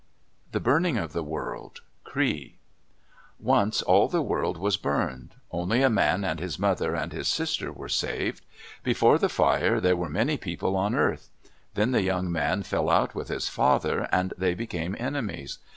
THE BURNING OF THE WORLD Cree Once all the world was burned. Only a man and his mother and his sister were saved. Before the fire there were many people on earth. Then the young man fell out with his father, and they became enemies.